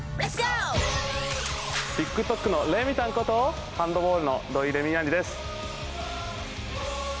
ＴｉｋＴｏｋのレミたんことハンドボールの土井レミイ杏利です。